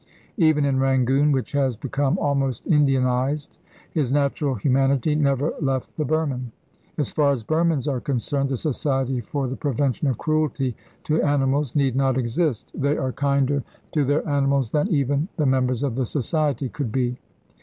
Even in Rangoon, which has become almost Indianized, his natural humanity never left the Burman. As far as Burmans are concerned, the Society for the Prevention of Cruelty to Animals need not exist. They are kinder to their animals than even the members of the Society could be.